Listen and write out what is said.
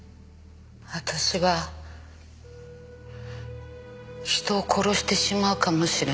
私は人を殺してしまうかもしれません。